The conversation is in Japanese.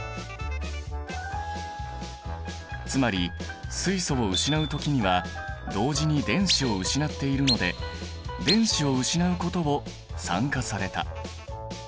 つまり水素を失う時には同時に電子を失っているので電子を失うことを酸化された。